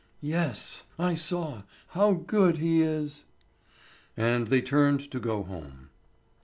"Yes, I saw. How good he is!" And they turned to go home.